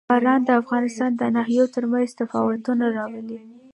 باران د افغانستان د ناحیو ترمنځ تفاوتونه راولي.